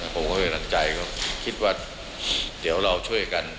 ผมก็มีน้ำใจก็คิดว่าเดี๋ยวเราช่วยกัน